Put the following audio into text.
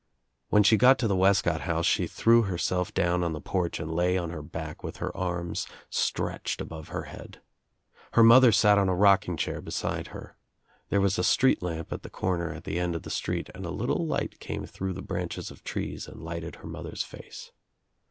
When shi got to the Wescott house she threw herself down oi the porch and lay on her back with her arms stretche< above her head. Her mother sat on a rocking chair beside her. There was a street lamp at the comer at the end of the street and a little light came through the branches of trees and lighted her mother's face.